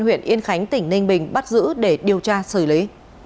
huyện yên khánh tỉnh ninh bình bắt giữ để điều tra xử lý